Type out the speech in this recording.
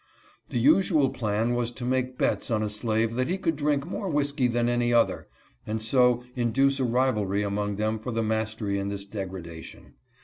The usual plan was to make bets on a slave that he could drink more whisky than any other, and so induce a rivalry among them for the mastery in this degradation.